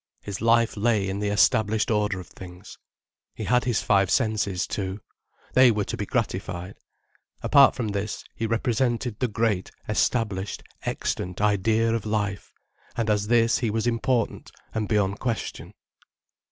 His life lay in the established order of things. He had his five senses too. They were to be gratified. Apart from this, he represented the great, established, extant Idea of life, and as this he was important and beyond question.